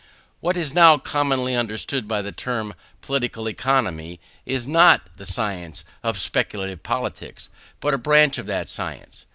What is now commonly understood by the term "Political Economy" is not the science of speculative politics, but a branch of that science.